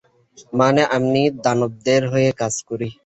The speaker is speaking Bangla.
মানে আমি দানবদের হয়ে কাজ করি।